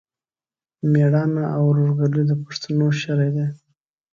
مېړانه او ورورګلوي د پښتنو شری دی.